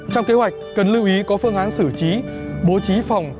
trong kế hoạch cần lưu ý có phương án xử trí bố trí phòng